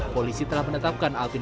polisi telah menetapkan penyelidikan